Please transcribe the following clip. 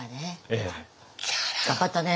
ええ。頑張ったね。